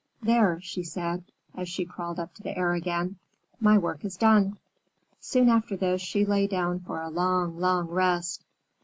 "There!" she said, as she crawled up to the air again. "My work is done." Soon after this, she lay down for a long, long rest.